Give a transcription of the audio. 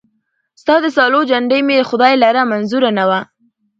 ستا د سالو جنډۍ مي خدای لره منظوره نه وه